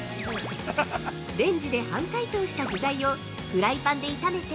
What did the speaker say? レンジで半解凍した具材をフライパンで炒めて